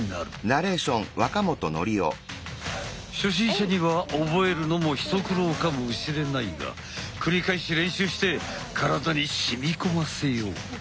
初心者には覚えるのも一苦労かもしれないが繰り返し練習して体にしみ込ませよう！